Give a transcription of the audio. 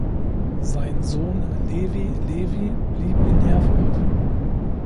Sein Sohn Levi Levi blieb in Herford.